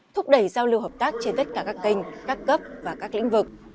thúc đẩy giao lưu hợp tác trên tất cả các kênh các cấp và các lĩnh vực